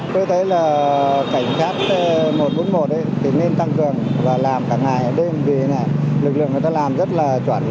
tôi thấy là cảnh sát một trăm bốn mươi một thì nên tăng cường và làm cả ngày cả đêm vì là lực lượng người ta làm rất là chuẩn